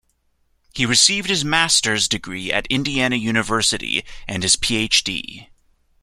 He received his master's degree at Indiana University, and his PhD.